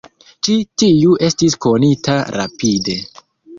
Ĉi tiu estis konita rapide.